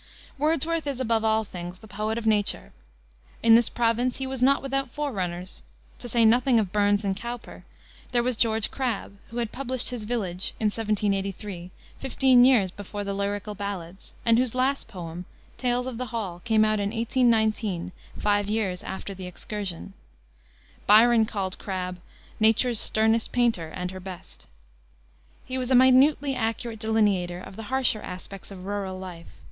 Wordsworth is, above all things, the poet of Nature. In this province he was not without forerunners. To say nothing of Burns and Cowper, there was George Crabbe, who had published his Village in 1783 fifteen years before the Lyrical Ballads and whose last poem, Tales of the Hall, came out in 1819, five years after The Excursion. Byron called Crabbe "Nature's sternest painter, and her best." He was a minutely accurate delineator of the harsher aspects of rural life.